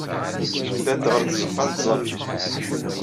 Ddant ɣer tzeɣɣa n tẓallit.